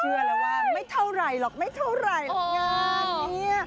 เชื่อแล้วว่าไม่เท่าไหร่หรอกไม่เท่าไหร่งานเนี่ย